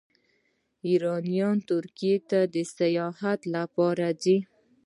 ایرانیان ترکیې ته د سیاحت لپاره ځي.